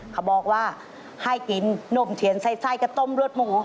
เขาบอกว่าให้กินนมเทียนไส้กับต้มรวดหมู